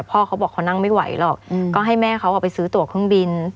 เขาบอกเขานั่งไม่ไหวหรอกก็ให้แม่เขาเอาไปซื้อตัวเครื่องบิน